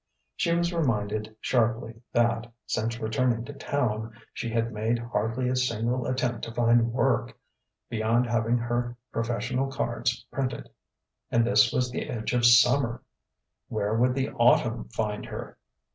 She was reminded sharply that, since returning to Town, she had made hardly a single attempt to find work, beyond having her professional cards printed. And this was the edge of Summer.... Where would the Autumn find her?